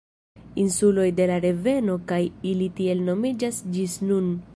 Insuloj de la reveno kaj ili tiel nomiĝas ĝis nun.